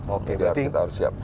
oke kita harus siap